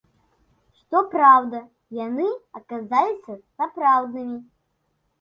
Што праўда, яны аказаліся сапраўднымі.